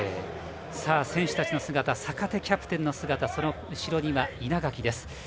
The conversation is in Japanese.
選手たちの姿坂手キャプテンの姿その後ろには稲垣です。